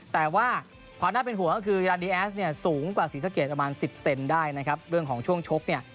แต่ว่าความน่าเป็นห่วงก็คือยาดีแอสเนี่ยสูงกว่าศรีสะเกดประมาณสิบเซนได้นะครับเรื่องของช่วงชกเนี่ย